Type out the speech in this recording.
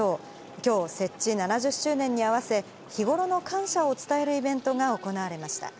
きょう、設置７０周年に合わせ、日頃の感謝を伝えるイベントが行われました。